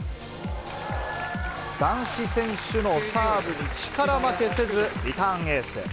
男子選手のサーブに力負けせず、リターンエース。